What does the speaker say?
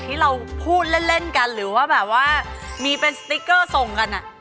ที่เราพูดเล่นกันหรือว่าแบบว่ามีเป็นสติ๊กเกอร์ส่งกัน